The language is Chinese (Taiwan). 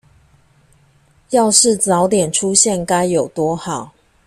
要是早點出現該有多好